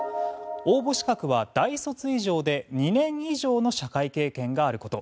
応募資格は大卒以上で２年以上の社会経験があること。